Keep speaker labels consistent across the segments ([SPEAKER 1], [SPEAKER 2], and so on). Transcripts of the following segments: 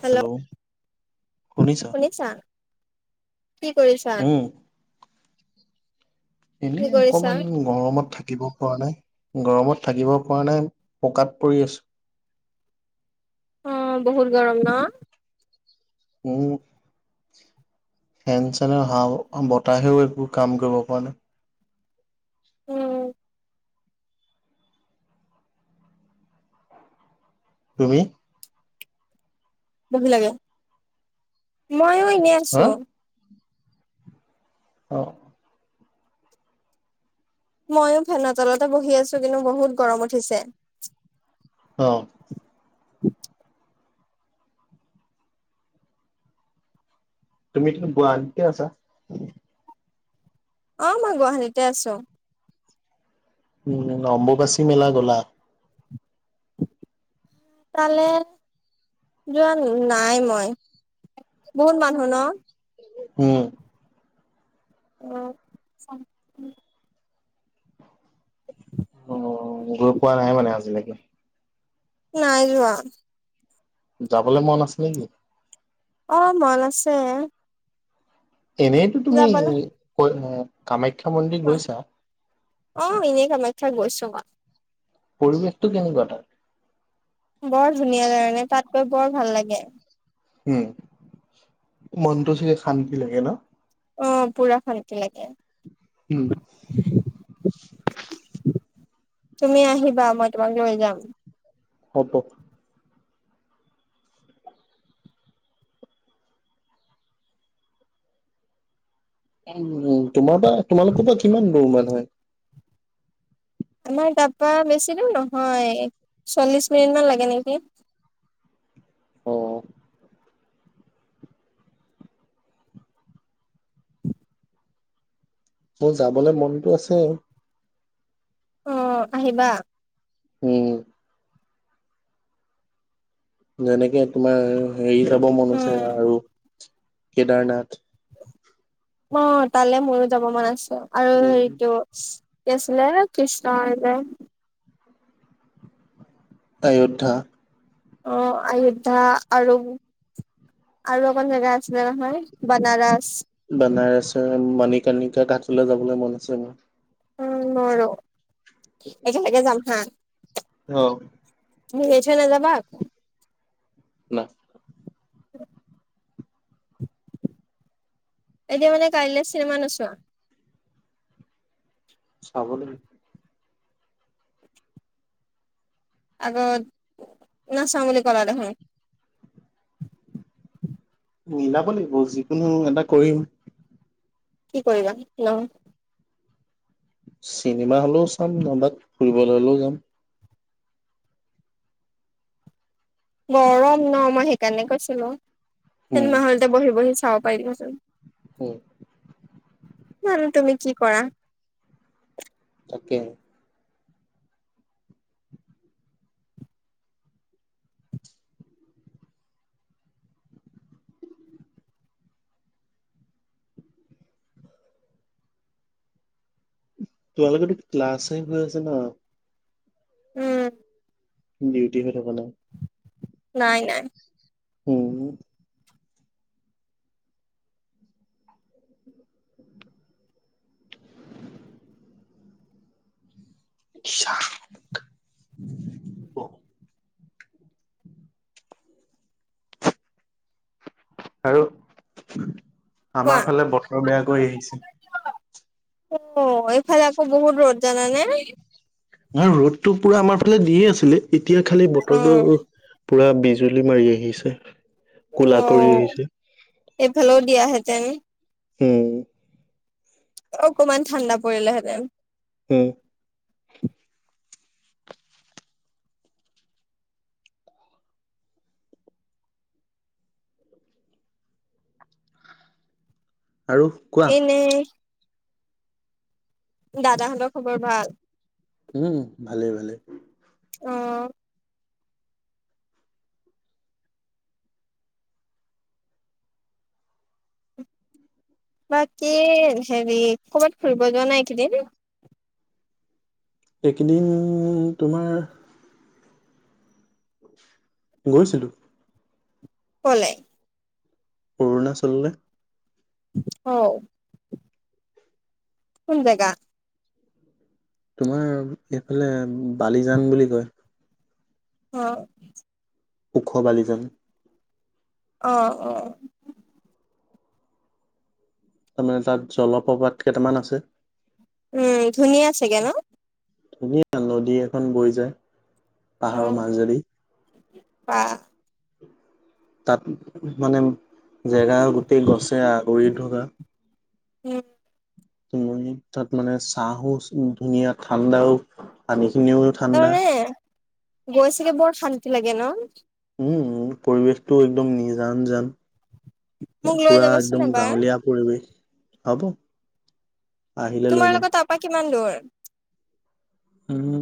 [SPEAKER 1] Hello শুনিছা কি কৰিছা?
[SPEAKER 2] উম,
[SPEAKER 1] কি
[SPEAKER 2] এনে
[SPEAKER 1] কৰিছা
[SPEAKER 2] অকমান গৰমত থাকিব পৰা নাই গৰমত থাকিব পৰা নাই পকাত পৰি আছো।
[SPEAKER 1] অ বহুত গৰম ন
[SPEAKER 2] উম ফেন চেনৰ হাৱ বতাহেও একো কাম কৰিব পৰা নাই।
[SPEAKER 1] উম
[SPEAKER 2] তুমি
[SPEAKER 1] চবজি লাগে, মইও এনে
[SPEAKER 2] হা?
[SPEAKER 1] আছো।
[SPEAKER 2] অ
[SPEAKER 1] মইও ফেনৰ তলতে বহি আছো, কিন্তু বহুত গৰম উঠিছে।
[SPEAKER 2] অ তুমিতো গুৱাহাটীতে আছা?
[SPEAKER 1] অ মই গুৱাহাটীতে আছো।
[SPEAKER 2] উম অম্বুবাচী মেলা গলা?
[SPEAKER 1] তালে যোৱা নাই মই, বহুত মানুহ ন।
[SPEAKER 2] উম
[SPEAKER 1] উ চা [inaudible]
[SPEAKER 2] অ গৈ পোৱা নাই মানে আজিলেকে
[SPEAKER 1] নাই যোৱা
[SPEAKER 2] যাবলে মন আছে নেকি?
[SPEAKER 1] অ মন আছে।
[SPEAKER 2] এনেতো তুমি
[SPEAKER 1] যাবলে
[SPEAKER 2] কৈ অ কামাখ্যা মন্দিৰ গৈছা
[SPEAKER 1] অ এনেই কামাখ্যাত গৈছো মই।
[SPEAKER 2] পৰিৱেশটো কেনেকোৱা তাত?
[SPEAKER 1] বৰ ধুনীয়া যেগাখিনি, তাত গৈ বৰ ভাল লাগে।
[SPEAKER 2] উম মনটো চাগে শান্তি লাগে ন।
[SPEAKER 1] অ পুৰা শান্তি লাগে।
[SPEAKER 2] উম
[SPEAKER 1] তুমি আহিবা মই তোমাক লৈ যাম।
[SPEAKER 2] হ'ব উ উ তোমাৰ পৰা তোমালোকৰ পৰা কিমান দূৰ মান হয়?
[SPEAKER 1] আমাৰ তাৰপা বেছি দুৰ নহয়, এ চল্লিছ মিনিটমান লাগে নেকি।
[SPEAKER 2] উম। মোৰ যাবলে মনতো আছে।
[SPEAKER 1] অঁ আহিবা।
[SPEAKER 2] উম। যেনেকে তোমাৰ হেৰি যাব মন আছে
[SPEAKER 1] উম
[SPEAKER 2] আৰু কেদাৰনাথ।
[SPEAKER 1] অ তালে ময়ো যাব মন আছে, আৰু
[SPEAKER 2] উম
[SPEAKER 1] হেৰিটো কি আছিলে কৃষ্ণৰ যে
[SPEAKER 2] আয়োধ্যা।
[SPEAKER 1] অঁ আয়োধ্যা আৰু আৰু অকন জেগা আছিলে নহয় বনাৰস।
[SPEAKER 2] বনাৰসৰ মণিকণিকা ঘাটলে যাবলে মন আছে মোৰ।
[SPEAKER 1] উম মোৰো, একেলগে যাম হা।
[SPEAKER 2] অঁ।
[SPEAKER 1] মোক এৰি থৈ নাযাবা আকৌ।
[SPEAKER 2] না।
[SPEAKER 1] এতিয়া মানে কাইলে চিনেম নোচোৱা?
[SPEAKER 2] চাব লাগিব।
[SPEAKER 1] আগত নাচাও বুলি ক'লা দেখোন।
[SPEAKER 2] মিলাব লাগিব যিকোনো এটা কৰিম।
[SPEAKER 1] কি কৰিবা? হেল্ল'।
[SPEAKER 2] চিনেমা হলেও চাম নহবা ফুৰিবলে হ'লেও যাম।
[SPEAKER 1] গৰম ন মই সেইকাৰণে কৈছিলোঁ।
[SPEAKER 2] উম
[SPEAKER 1] চিনেমা হলতে বহি বহি চাব পাৰিলোঁ হেতেন।
[SPEAKER 2] হম।
[SPEAKER 1] বাৰু তুমি কি কৰা?
[SPEAKER 2] তাকে। তোমালোকেটো ক্লাচেই হৈ আছে ন?
[SPEAKER 1] উম।
[SPEAKER 2] ডিউটি হৈ থকা নাই?
[SPEAKER 1] নাই, নাই।
[SPEAKER 2] উম। [unintelligible] আৰু
[SPEAKER 1] কোৱা।
[SPEAKER 2] আমাৰ ফালে বেয়া কৰি আহিছে।
[SPEAKER 1] অ' এইফালে আকৌ বহুত ৰ'দ জানানে?
[SPEAKER 2] নহয় ৰ'দটো পোৰা আমাৰ ফালে দিয়ে আছিলে, এতিয়া খালি
[SPEAKER 1] অ'
[SPEAKER 2] বতৰটো পোৰা বিজুলী মাৰি আহিছে। ক'লা কৰি
[SPEAKER 1] ঔ'
[SPEAKER 2] আহিছে
[SPEAKER 1] এইফালেও দিয়া হেঁতেন।
[SPEAKER 2] হম।
[SPEAKER 1] অকমান ঠাণ্ডা পৰিলে হেঁতেন।
[SPEAKER 2] উম। আৰু। কোৱা
[SPEAKER 1] এনেই। দাদা হঁতৰ খবৰ ভাল?
[SPEAKER 2] উম ভালে ভালে।
[SPEAKER 1] অঁ। বাকী হেৰি ক'ৰবাত ফুৰিব যোৱা নাই এইকেইদিন?
[SPEAKER 2] এইকেইদিন তোমাৰ গৈছিলো।
[SPEAKER 1] ক'লে?
[SPEAKER 2] অৰুণাচললৈ।
[SPEAKER 1] অ'। কোন জেগা?
[SPEAKER 2] তোমাৰ এইফালে বালিজান বুলি কয়।
[SPEAKER 1] অ'।
[SPEAKER 2] ওখ বালিজান।
[SPEAKER 1] অ' অ'।
[SPEAKER 2] তাৰমানে মানে তাত জলপ্ৰপাত কেইটামান আছে।
[SPEAKER 1] উম ধুনীয়া চাগে ন?
[SPEAKER 2] ধুনীয়া নদী এখন বৈ যায় পাহাৰৰ মাজদি।
[SPEAKER 1] ৱাহ।
[SPEAKER 2] তাত মানে জেগা গোটেই গছে আগুৰি থকা।
[SPEAKER 1] উম
[SPEAKER 2] তাত মানে চাঁ‌হো ধুনীয়া ঠাণ্ডাও পানী খিনিও
[SPEAKER 1] তাত
[SPEAKER 2] ঠাণ্ডা
[SPEAKER 1] মানে গৈ চাগে বৰ শান্তি লাগে ন'?
[SPEAKER 2] উম, পৰিৱেশটো একদম নিজান জান
[SPEAKER 1] মোক লৈ
[SPEAKER 2] পুৰা
[SPEAKER 1] যাবাচোন
[SPEAKER 2] একদম
[SPEAKER 1] এবাৰ
[SPEAKER 2] গাঁৱলীয়া পৰিৱেশ হব। আহিলে লৈ যাম
[SPEAKER 1] তোমালোকৰ তাৰপৰা কিমান দূৰ?
[SPEAKER 2] উম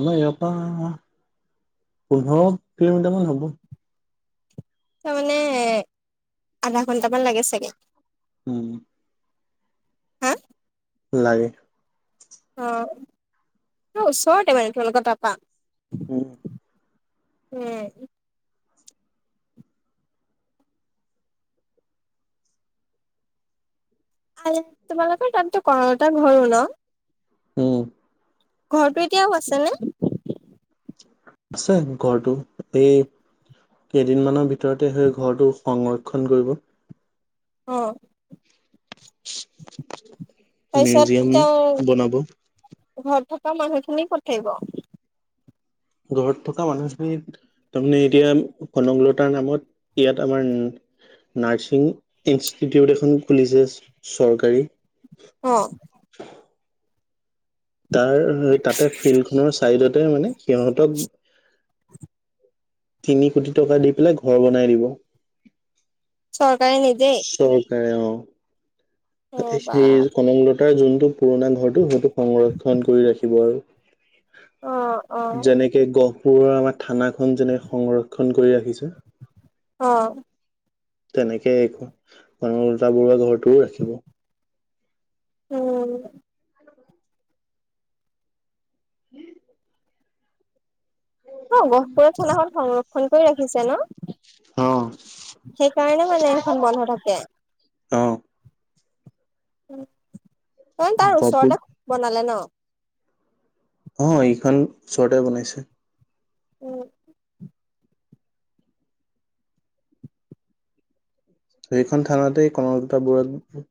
[SPEAKER 2] আমাৰ ইয়াৰ পৰা পোন্ধৰ কিলোমিটাৰ মান হ'ব।
[SPEAKER 1] তাৰমানে আধা ঘন্টামান লাগে চাগে?
[SPEAKER 2] উম।
[SPEAKER 1] হে?
[SPEAKER 2] লাগে।
[SPEAKER 1] অ, অ ওচৰতে মানে তোমালোকৰ তাৰপৰা?
[SPEAKER 2] উম।
[SPEAKER 1] উম। তোমালোকৰ তাতটো কনকলটা ঘৰও ন'?
[SPEAKER 2] উম।
[SPEAKER 1] ঘৰটো এতিয়াও আছে নে?
[SPEAKER 2] আছে ঘৰটো এই কেইদিনমানৰ ভিতৰতে সেই ঘৰটো সংৰক্ষণ কৰিব।
[SPEAKER 1] অঁ। তাৰপিছত
[SPEAKER 2] মিউজিয়াম
[SPEAKER 1] তেওঁ
[SPEAKER 2] বনাব।
[SPEAKER 1] ঘৰত থকা মানুহ খিনি কত থাকিব?
[SPEAKER 2] ঘৰত থকা মানুহখিনি তাৰমানে এতিয়া কনকলতাৰ নামত ইয়াত আমাৰ নাৰ্ছিং ইনষ্টিটিউট এখন খুলিছে চৰকাৰী।
[SPEAKER 1] অ।
[SPEAKER 2] তাৰ তাতে ফিল্ড খনৰ চাইডতে মানে সিহঁতক তিনি কোটি টকা দি পেলাই ঘৰ বনাই দিব।
[SPEAKER 1] চৰকাৰে, নিজেই?
[SPEAKER 2] চৰকাৰে অ,
[SPEAKER 1] অ বা
[SPEAKER 2] সেই কনকল তাৰ যোনটো পুৰণা ঘৰটো, সেইটো সংৰক্ষণ কৰি ৰাখিব আৰু।
[SPEAKER 1] অ অ
[SPEAKER 2] যেনেকে, গহ পুৰা, আমাৰ থানাখন যেনেকে সংৰক্ষণ কৰি ৰাখিছে।
[SPEAKER 1] অ,
[SPEAKER 2] তেনেকে এই কনলতা বৰুৱা, ঘৰটোও ৰাখিব।
[SPEAKER 1] উম, অ, গহপুৰৰ থানাখন সংৰক্ষণ কৰি ৰাখিছে ন,?
[SPEAKER 2] অ
[SPEAKER 1] সেইকাৰণে মানে সেইখন বন্ধ হৈ থাকে?
[SPEAKER 2] অ
[SPEAKER 1] খন, তাৰ
[SPEAKER 2] গহপুৰ
[SPEAKER 1] ওচৰতে বনালে ন,?
[SPEAKER 2] অ, এইখন ওচৰতে বনাইছে।
[SPEAKER 1] উম,
[SPEAKER 2] সেইখন থানাতেই কনকতা বৰুৱাক,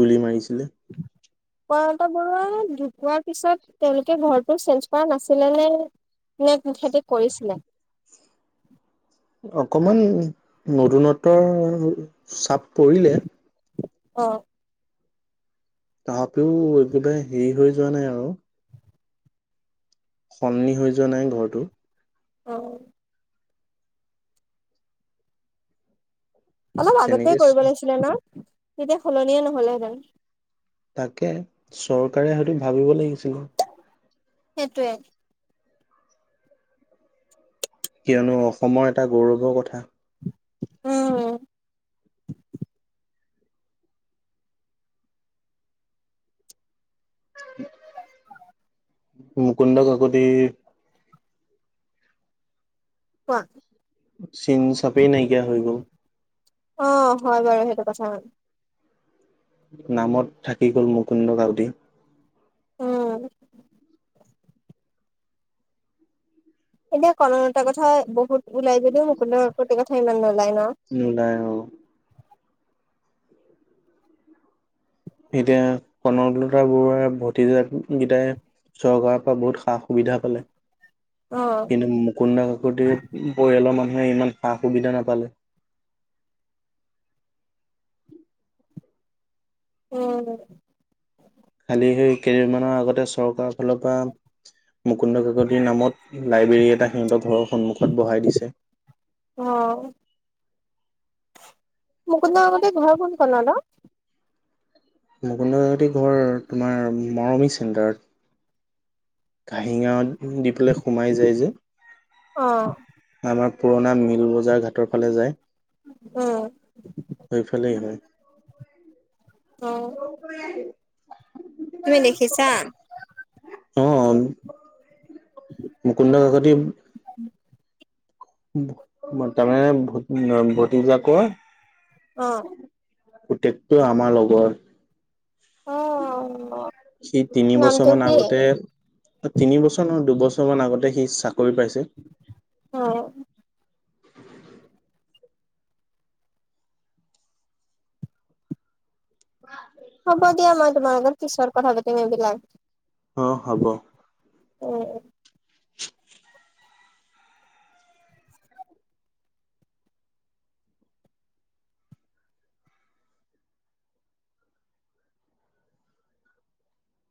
[SPEAKER 2] গুলি মাৰিছিলে।
[SPEAKER 1] [inaudible] কনকলতা বৰুৱাই ঢুকোৱাৰ পিছত, তেওঁলোকে ঘৰটো চেঞ্জ কৰা নাছিলে নে? নে, সিহঁতি কৰিছিলে?
[SPEAKER 2] অকমান নতুনত্বৰ, চাপ পৰিলে।
[SPEAKER 1] অ,
[SPEAKER 2] তথাপিও একেবাৰে হেৰি হৈ যোৱা নাই আৰু। সলনি হৈ যোৱা নাই ঘৰটো।
[SPEAKER 1] অ, অলপ আগতে
[SPEAKER 2] তেনেকে
[SPEAKER 1] কৰিব লাগিছিলে ন, তেতিয়া সলনিয়ে নহ'লে হেতেন।
[SPEAKER 2] তাকে চৰকাৰে হয়টো ভাবিব লাগিছিলে।
[SPEAKER 1] সেইটোৱে। [inaudible]
[SPEAKER 2] কিয়নো, অসমৰ এটা গৌৰৱৰ কথা।
[SPEAKER 1] উম,
[SPEAKER 2] মুকুন্দ কাকতি
[SPEAKER 1] কোৱা।
[SPEAKER 2] চিন, চাপেই নাইকিয়া হৈ গ'ল।
[SPEAKER 1] অ, হয় বাৰু সেইটো কথা
[SPEAKER 2] নামত থাকি গ'ল, মুকুন্দ কাকতি।
[SPEAKER 1] উম, এতিয়া কনকলতাৰ কথা বহুত ওলাই যদিও, মুকুন্দ কাকতিৰ কথা ইমান নোলায় ন,?
[SPEAKER 2] উম, নাই অ, এতিয়া কনকলতা বৰুৱাৰ ভতিজাক গিতাই চৰকাৰৰ পৰা বহুত সা-সুবিধা পালে।
[SPEAKER 1] অ',
[SPEAKER 2] কিন্তু মুকুন্দ কাকতিৰ পৰিয়ালৰ মানুহে, ইমান সা-সুবিধা নাপালে।
[SPEAKER 1] উম,
[SPEAKER 2] খালি সেই, কেইদিনমানৰ আগতে চৰকাৰৰ ফালৰ পৰা মুকুন্দ কাকতিৰ নামত, লাইব্ৰেৰী এটা সিহঁতৰ ঘৰৰ সন্মুখত বহাই দিছে।
[SPEAKER 1] অ, মুকুন্দ কাকতিৰ ঘৰ কোন কনত অ,?
[SPEAKER 2] মুকুন্দ কাকতিৰ ঘৰ তোমাৰ, মৰমি চেণ্টাৰত। ঘাঁহি গাওঁ দি পেলাই সোমাই যায় যে
[SPEAKER 1] অ',
[SPEAKER 2] আমাৰ পুৰণা মিল বজাৰ ঘাটৰ ফালে যায়।
[SPEAKER 1] উম,
[SPEAKER 2] সেইফালেই হয়।
[SPEAKER 1] অ। তুমি দেখিছা?
[SPEAKER 2] [unintelligible] অ মুকুন্দ কাকতি তাৰমানে ভতিজাকৰ
[SPEAKER 1] অ',
[SPEAKER 2] পুতেকটো আমাৰ লগৰ।
[SPEAKER 1] অ',
[SPEAKER 2] সি তিনি বছৰ
[SPEAKER 1] নামটো
[SPEAKER 2] মান
[SPEAKER 1] কি?
[SPEAKER 2] আগতে তিনিবছৰ নহয় দুবছৰ মান আগতে সি চাকৰি পাইছে।
[SPEAKER 1] অ। হ'ব দিয়া মই তোমাৰ লগত পিছত কথা পাতিম এইবিলাক।
[SPEAKER 2] অ হ'ব।
[SPEAKER 1] [unintelligible]